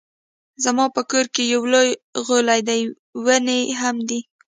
زما په کور کې يو لوی غولی دی ونې هم دي